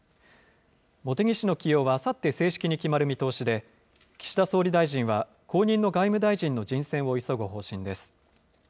茂木氏の起用はあさって正式に決まる見通しで、岸田総理大臣は、後任の外務大臣の人選を急ぐ方針です。